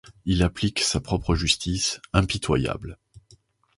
Il applique sa propre justice, impitoyable.